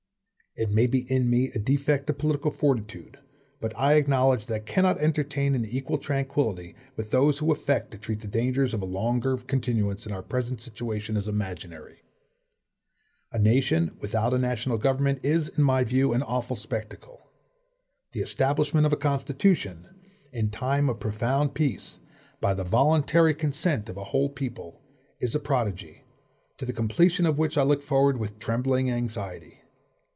It may be in me a defect of political fortitude, but I acknowledge that I cannot entertain an equal tranquillity with those who affect to treat the dangers of a longer continuance in our present situation as imaginary. A NATION, without a NATIONAL GOVERNMENT, is, in my view, an awful spectacle. The establishment of a Constitution, in time of profound peace, by the voluntary consent of a whole people, is a PRODIGY, to the completion of which I look forward with trembling anxiety.